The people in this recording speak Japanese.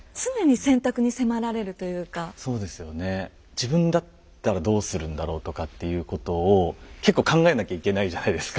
「自分だったらどうするんだろう」とかっていうことを結構考えなきゃいけないじゃないですか。